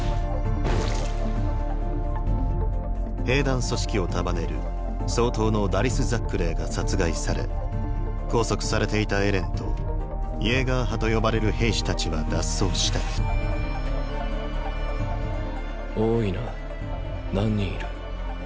兵団組織を束ねる総統のダリス・ザックレーが殺害され拘束されていたエレンとイェーガー派と呼ばれる兵士たちは脱走した多いな何人いる？